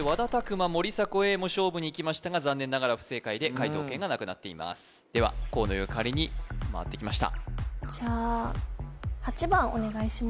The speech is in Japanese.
馬森迫永依も勝負にいきましたが残念ながら不正解で解答権がなくなっていますでは河野ゆかりに回ってきました